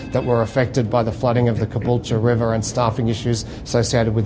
yang terkena penyelamatan air deras di kabulta dan masalah penyelamatan air deras